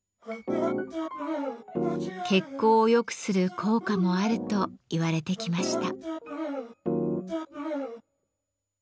血行を良くする効果もあると言われてきました。